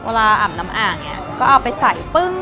เวลาอาบน้ำอ่างก็เอาไปใส่